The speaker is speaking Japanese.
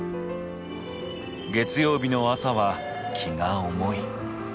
月曜日の朝は気が重い。